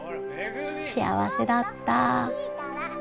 幸せだった。